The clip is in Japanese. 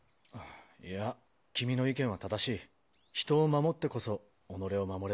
いや君の意見は正しい人を守ってこそ己を守れる。